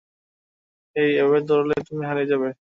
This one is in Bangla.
হেই, এভাবে দৌড়ালে তুমি হারিয়ে যাবে!